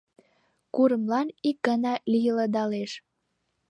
Курымлан ик гана лийылдалеш.